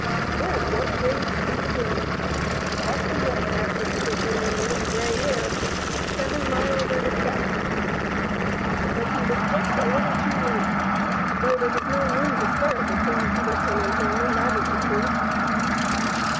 Then what a rage he was in ! Off he went after Peterkin and the Little Grey Hare, seven 1 88 PETERKIN AND THE LITTLE GREY HARE. miles at a step. But he was just a little too late, though there was no room to spare between Peterkin and him, and that is the truth.